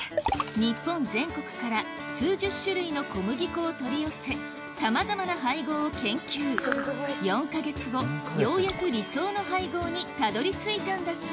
日本全国から数十種類の小麦粉を取り寄せさまざまな配合を研究４か月後ようやく理想の配合にたどり着いたんだ